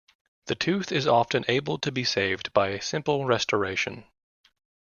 The tooth is often able to be saved by a simple restoration.